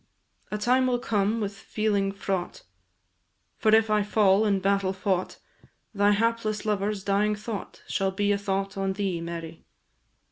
A time will come with feeling fraught, For if I fall in battle fought, Thy hapless lover's dying thought Shall be a thought on thee, Mary.